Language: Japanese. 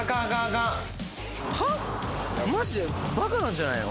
マジでバカなんじゃないの？